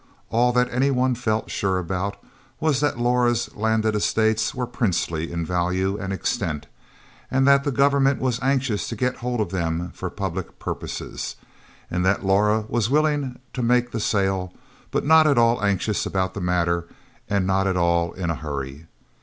All that any one felt sure about, was that Laura's landed estates were princely in value and extent, and that the government was anxious to get hold of them for public purposes, and that Laura was willing to make the sale but not at all anxious about the matter and not at all in a hurry.